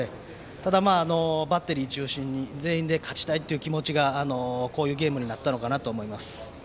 ただ、バッテリー中心に全員で勝ちたいという気持ちがこういうゲームになったのかなと思います。